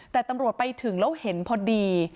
แต่ตำรวจไปถึงแล้วเห็นพอดี